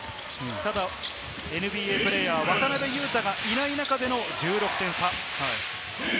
ただＮＢＡプレーヤー・渡邊雄太がいない中での１６点差。